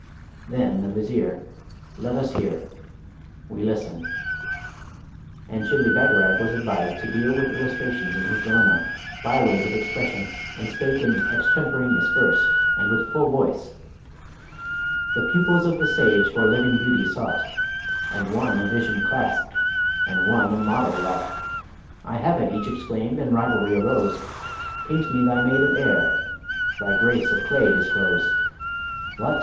Then the Vizier, 'Let us hear: we listen.' And Shibli Bagarag was advised to deal with illustrations in his dilemma, by ways of expression, and spake in extemporaneous verse, and with a full voice: The pupils of the Sage for living Beauty sought; And one a Vision clasped, and one a Model wrought. 'I have it!' each exclaimed, and rivalry arose: 'Paint me thy Maid of air!' 'Thy Grace of clay disclose.' 'What!